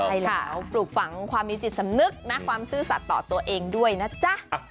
ใช่แล้วปลูกฝังความมีจิตสำนึกนะความซื่อสัตว์ต่อตัวเองด้วยนะจ๊ะ